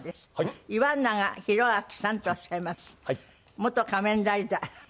元仮面ライダー。